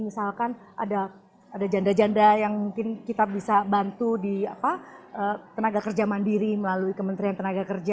misalkan ada janda janda yang mungkin kita bisa bantu di tenaga kerja mandiri melalui kementerian tenaga kerja